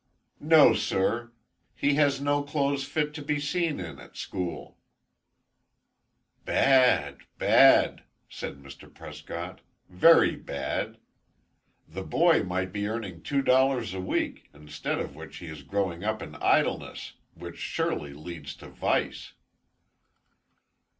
"No sir. He has no clothes fit to be seen in at school." "Bad bad," said Mr. Prescott, "very bad. The boy might be earning two dollars a week; instead of which he is growing up in idleness, which surely leads to vice."